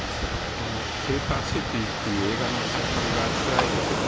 この「ペーパーシティ」という映画のタイトルがつらいですよね。